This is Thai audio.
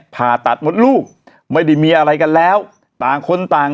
เป็นแสนแสน